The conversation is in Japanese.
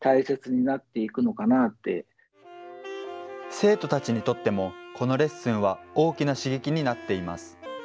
生徒たちにとってもこのレッスンは大きな刺激になっています。